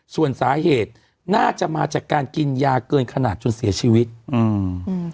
ส่วนสาเหตุน่าจะมาจากการกินยาเกินขนาดจนเสียชีวิตอืม